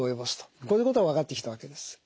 こういうことが分かってきたわけです。